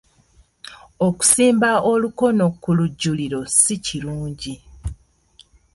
Okusimba olukono ku lujjuliro si kirungi.